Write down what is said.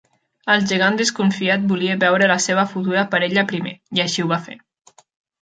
El gegant desconfiat volia veure a la seva futura parella primer, i així ho va fer.